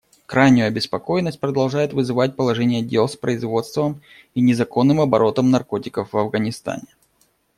Крайнюю обеспокоенность продолжает вызывать положение дел с производством и незаконным оборотом наркотиков в Афганистане.